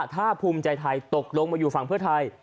ถ้าภูมิใจไทยตกลงมาอยู่ฝั่งเพื่อไทย